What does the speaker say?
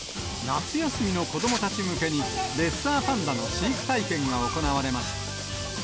夏休みの子どもたち向けに、レッサーパンダの飼育体験が行われました。